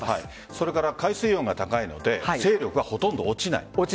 それから海水温が高いので勢力がほとんど落ちない。